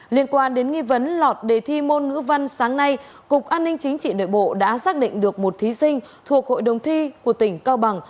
liên quan đến nghi vấn lọt đề thi môn ngữ văn sáng nay cục an ninh chính trị nội bộ đã xác định được một thí sinh thuộc hội đồng thi của tỉnh cao bằng